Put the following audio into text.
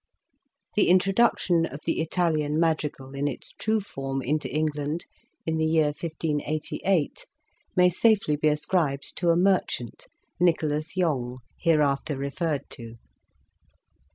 The introduction of the Italian madrigal in its true form into England in the year 1588 may safely be ascribed to a merchant, Nicholas Yonge, hereafter referred to.